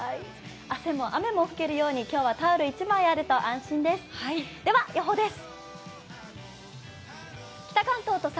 汗も雨も拭けるように、今日はタオルが１枚あると安心です。